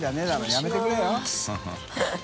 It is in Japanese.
やめてくれよ。